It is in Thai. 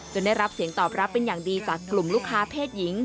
ได้รับเสียงตอบรับเป็นอย่างดีจากกลุ่มลูกค้าเพศหญิง